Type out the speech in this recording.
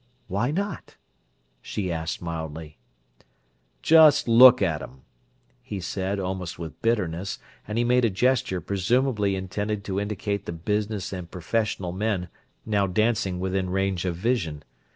"Why not?" she asked mildly. "Just look at 'em!" he said, almost with bitterness, and he made a gesture presumably intended to indicate the business and professional men now dancing within range of vision.